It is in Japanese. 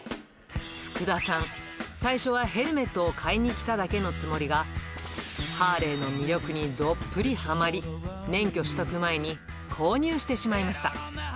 福田さん、最初はヘルメットを買いに来ただけのつもりが、ハーレーの魅力にどっぷりはまり、免許取得前に購入してしまいました。